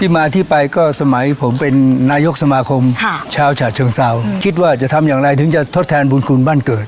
มาที่ไปก็สมัยผมเป็นนายกสมาคมชาวฉะเชิงเซาคิดว่าจะทำอย่างไรถึงจะทดแทนบุญคุณบ้านเกิด